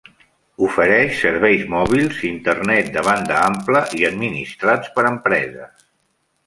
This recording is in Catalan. Ofereix serveis mòbils, Internet de banda ampla i administrats per empreses.